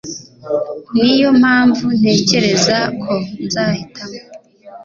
Niyo mpamvu ntekereza ko nzahitamo